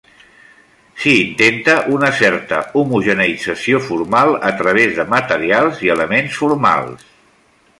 S'hi intenta una certa homogeneïtzació formal a través de materials i elements formals.